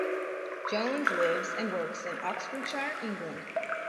Jones lives and works in Oxfordshire, England.